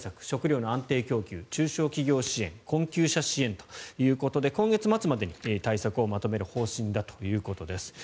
食料の安定供給中小企業支援困窮者支援ということで今月末までに対策をまとめる方針だということです。